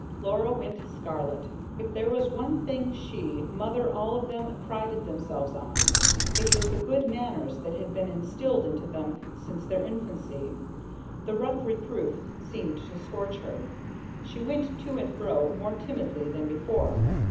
Laura went scarlet: if there was one thing she, Mother all of them prided themselves on, it was the good manners that had been instilled into them since their infancy. The rough reproof seemed to scorch her. She went to and fro more timidly than before.